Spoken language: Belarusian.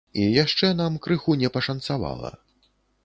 І яшчэ нам крыху не пашанцавала.